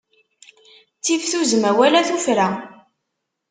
Ttif tuzzma wala tuffra.